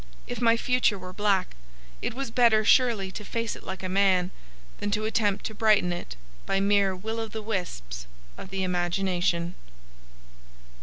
If my future were black, it was better surely to face it like a man than to attempt to brighten it by mere will o' the wisps of the imagination.